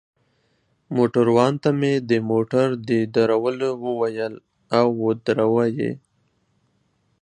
موټروان ته مې د موټر د درولو وویل، او ودروه يې.